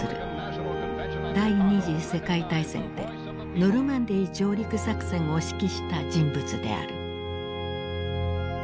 第二次世界大戦でノルマンディー上陸作戦を指揮した人物である。